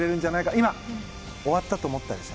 今終わったと思ったでしょ？